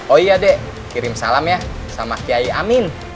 oh iya dek kirim salam ya sama kiai amin